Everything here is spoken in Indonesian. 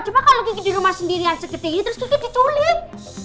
cuma kalau kiki di rumah sendiri aja gitu ya terus kiki diculik